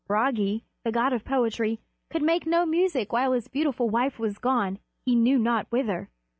Bragi, the god of poetry, could make no music while his beautiful wife was gone he knew not whither.